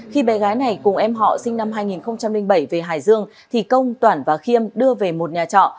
khi bé gái này cùng em họ sinh năm hai nghìn bảy về hải dương thì công toản và khiêm đưa về một nhà trọ